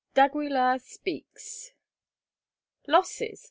D'AGUILAR SPEAKS. "Losses?"